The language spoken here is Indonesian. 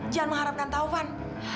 jangan mengharapkan taufan